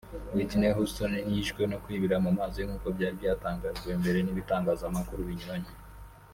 Whitney Houston ntiyishwe no kwibira mu mazi nk’uko byari byatangajwe mbere n’ibitangazamakuru binyuranye